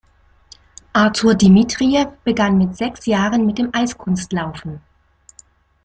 Artur Dmitrijew begann mit sechs Jahren mit dem Eiskunstlaufen.